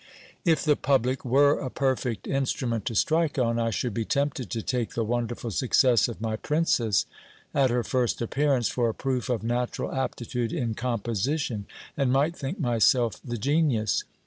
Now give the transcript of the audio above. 'If the public were a perfect instrument to strike on, I should be tempted to take the wonderful success of my PRINCESS at her first appearance for a proof of natural aptitude in composition, and might think myself the genius.